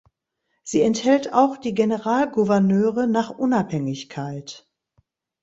Sie enthält auch die Generalgouverneure nach Unabhängigkeit.